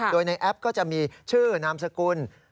โดยในแอปก็จะมีชื่อนามสกุล